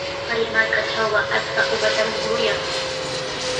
Kay markatrawqa achka uqatami muruyan.